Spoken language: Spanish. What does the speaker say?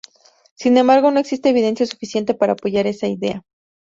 Sin embargo no existe evidencia suficiente para apoyar esta idea.